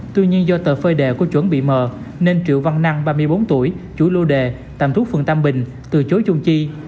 tuy nhiên do tờ phơi đề của chuẩn bị mờ nên triệu văn năng ba mươi bốn tuổi chủi lô đề tạm trú phường tam bình từ chối chung chi